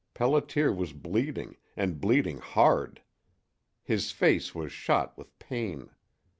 Pelliter was bleeding, and bleeding hard. His face was shot with pain.